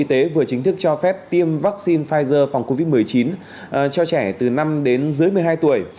y tế vừa chính thức cho phép tiêm vaccine phòng covid một mươi chín cho trẻ từ năm đến dưới một mươi hai tuổi